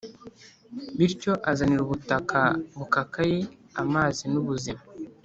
bityo azanira ubutaka bukakaye amazi n’ubuzima.